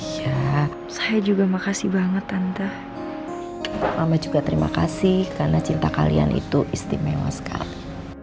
saya juga makasih banget tante mama juga terima kasih karena cinta kalian itu istimewa sekali